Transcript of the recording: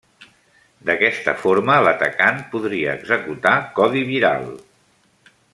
D'aquesta forma l'atacant podria executar codi viral.